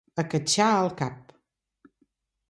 Acatxar el cap.